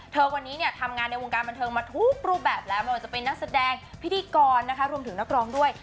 วันนี้เนี่ยทำงานในวงการบันเทิงมาทุกรูปแบบแล้วไม่ว่าจะเป็นนักแสดงพิธีกรนะคะรวมถึงนักร้องด้วย